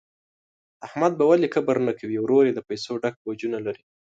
احمد به ولي کبر نه کوي، ورور یې د پیسو ډک بوجونه لري.